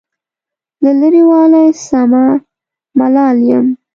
له لرې والي سمه ملال یم.